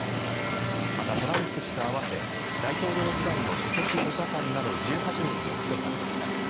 またトランプ氏と合わせ大統領時代の首席補佐官など１８人も起訴されました。